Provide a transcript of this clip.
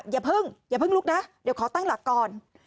อย่าเพิ่งอย่าเพิ่งลุกนะเดี๋ยวขอตั้งหลักก่อน